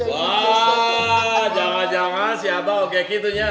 wah jangan jangan siapa oke gitu ya